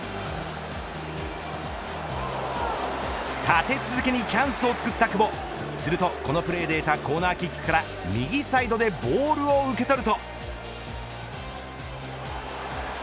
立て続けにチャンスをつくった久保すると、このプレーで得たコーナーキックから右サイドでボールを受け取ると。